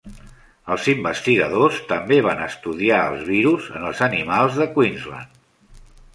Els investigadors també van estudiar els virus en els animals de Queensland.